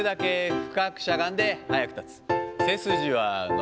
深くしゃがんで早く立つ。